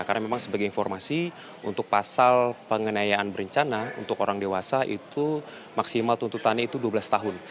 karena memang sebagai informasi untuk pasal penganiayaan berencana untuk orang dewasa itu maksimal tuntutannya itu dua belas tahun